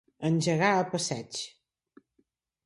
Engegar a passeig.